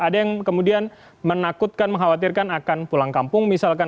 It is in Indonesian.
ada yang kemudian menakutkan mengkhawatirkan akan pulang kampung misalkan